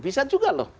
bisa juga loh